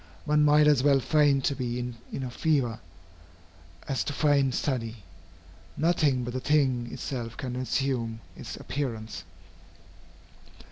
One might as well feign to be in a fever, as to feign study. Nothing but the thing itself can assume its appearance.